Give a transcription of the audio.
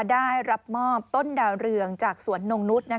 ได้รับมอบต้นดาวเรืองจากสวนนงนุษย์